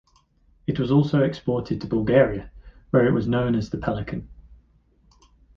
It was also exported to Bulgaria, where it was known as the "Pelikan".